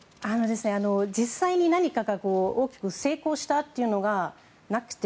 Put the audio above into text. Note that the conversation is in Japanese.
実際に何かが大きく成功したというのがなくて